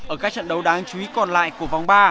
ở các trận đấu đáng chú ý còn lại của vòng ba